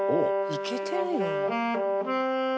「いけてるよ」